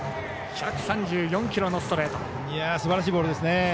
１３４キロのストレート。